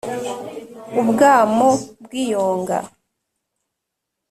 ubwamo bw’iyonga